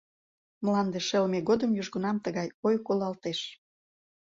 Мланде шелме годым южгунам тыгай ой колалтеш: